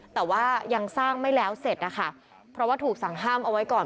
แต่ว่ายังสร้างไม่แล้วเสร็จนะคะเพราะว่าถูกสั่งห้ามเอาไว้ก่อน